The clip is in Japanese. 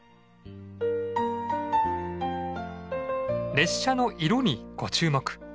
列車の色にご注目！